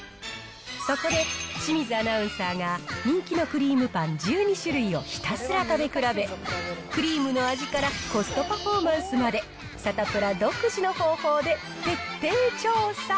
そこで、清水アナウンサーが、人気のクリームパン１２種類をひたすら食べ比べ、クリームの味からコストパフォーマンスまで、サタプラ独自の方法で徹底調査。